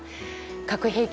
核兵器